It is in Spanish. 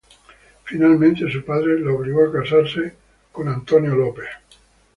Finalmente, su padre la obligó a casarse con Abraham Stanley.